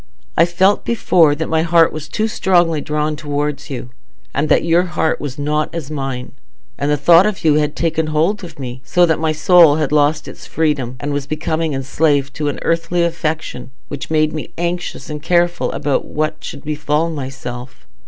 I felt before that my heart was too strongly drawn towards you, and that your heart was not as mine; and the thought of you had taken hold of me, so that my soul had lost its freedom, and was becoming enslaved to an earthly affection, which made me anxious and careful about what should befall myself.